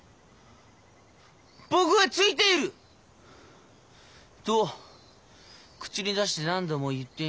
僕はついている！と口に出して何度も言ってみる。